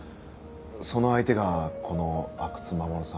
その相手がこの阿久津守さんでは？